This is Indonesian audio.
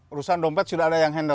urusan dompet sudah ada yang handle